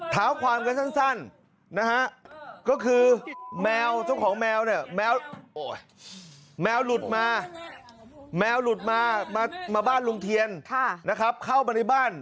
ถามความกันสั้นนะฮะก็คือแมวช่องของแมวเนี่ยแมวหลุดมามาบ้านลุงเทียนนะครับเข้ามาในบ้าน